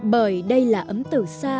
bởi đây là ấm tử sa